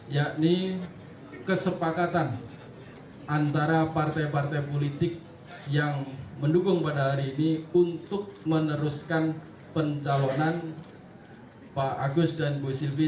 yakni kesepakatan antara partai partai politik yang mendukung pada hari ini untuk meneruskan pencalonan pak agus dan bu silvi